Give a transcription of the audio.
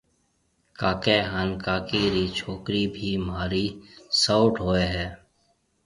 ڪاڪيَ هانَ ڪاڪِي رِي ڇوڪرِي ڀِي مهارِي سئوٽ هوئي هيَ